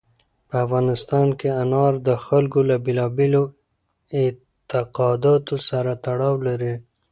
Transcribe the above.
په افغانستان کې انار د خلکو له بېلابېلو اعتقاداتو سره تړاو لري.